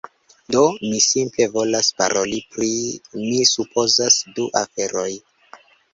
Do, mi simple volas paroli pri... mi supozas du aferoj